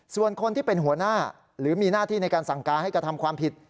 ส่วนคนที่เป็นหัวหน้าหรือมีหน้าที่ในการสั่งการให้กระทำความผิด